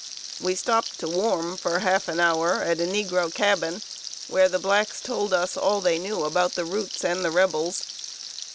We stopped to warm for half an hour at a negro cabin, where the blacks told us all they knew about the routes and the Rebels.